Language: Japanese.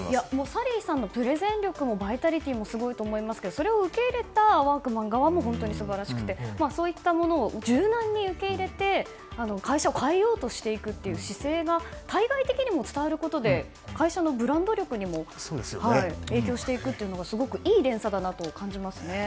サリーさんのプレゼン力もバイタリティーもすごいと思いますけどそれを受け入れたワークマン側も素晴らしくてそういったものを柔軟に受け入れて会社を変えようとしていく姿勢が、対外的にも伝わることで会社のブランド力にも影響していくというのがすごくいい連鎖だなと感じますね。